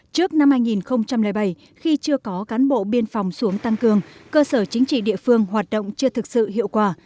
trước năm hai nghìn bảy khi chưa có cán bộ biên phòng xuống tăng cường cơ sở chính trị địa phương hoạt động chưa thực sự hiệu quả